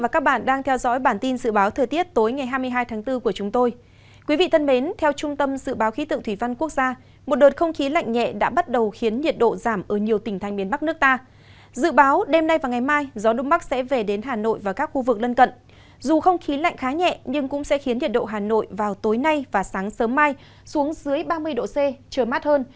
các bạn hãy đăng ký kênh để ủng hộ kênh của chúng mình nhé